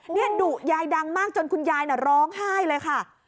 นี่ดุยายดังมากจนคุณยายน่ะร้องไห้เลยค่ะ